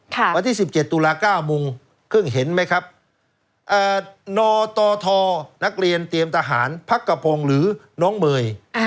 ค่ะวันที่สิบเจ็ดตุลาก้าวมุงเพิ่งเห็นไหมครับเอ่อนตทนักเรียนเตรียมทหารพักกระโปรงหรือน้องเมย